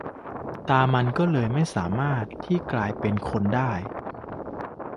ตามันก็เลยไม่สามารถที่จะกลายเป็นคนได้